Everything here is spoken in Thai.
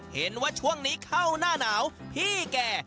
เห็นว่าช่วงนี้เข้าหน้าหนาวพี่แก่